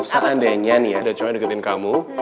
seandainya nih ada cowok yang deketin kamu